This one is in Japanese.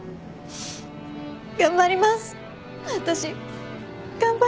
私頑張ります。